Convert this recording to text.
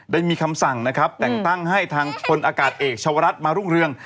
ได้มีคำสั่งนะครับแต่งตั้งให้ทางพลอากาศเอกชาวรัฐมารุ่งเรือง